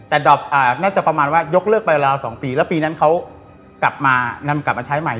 แต่ดอปน่าจะประมาณว่ายกเลิกไปราว๒ปีแล้วปีนั้นเขากลับมานำกลับมาใช้ใหม่